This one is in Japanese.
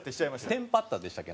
「テンパった」でしたっけ？